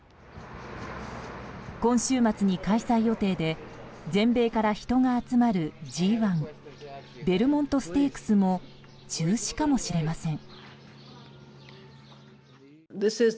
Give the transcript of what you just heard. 今週末に開催予定で全米から人が集まるＧ１ベルモントステークスも中止かもしれません。